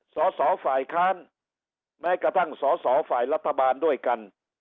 สอสอฝ่ายค้านแม้กระทั่งสอสอฝ่ายรัฐบาลด้วยกัน